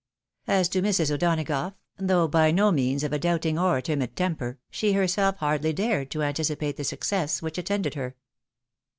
As to Mrs. O'Donagough, though by no means of a doubt ing or timid temper, she herself hardly dared to anticipate the success which attended her.